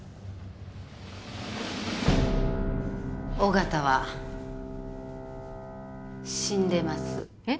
緒方は死んでますえっ？